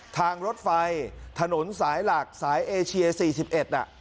ทางรถไฟถนนสายหลักสายเอเชียสี่สิบเอ็ด